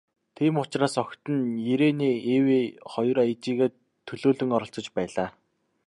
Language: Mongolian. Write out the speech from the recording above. Тийм учраас охид нь, Ирене Эве хоёр ээжийгээ төлөөлөн оролцож байлаа.